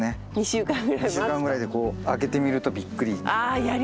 ２週間ぐらいでこう開けてみるとびっくりみたいな。